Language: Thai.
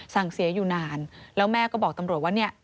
สั่งเสียอยู่นานแล้วแม่ก็บอกตำรวจว่าเนี่ย